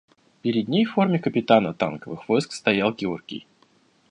Перед ней в форме капитана танковых войск стоял Георгий.